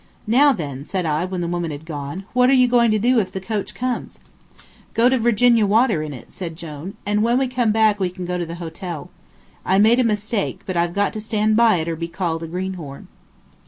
"Now, then," said I, when the woman had gone, "what are you going to do if the coach comes?" "Go to Virginia Water in it," said Jone, "and when we come back we can go to the hotel. I made a mistake, but I've got to stand by it or be called a greenhorn."